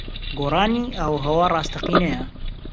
گۆڕانی ئاووھەوا ڕاستەقینەیە.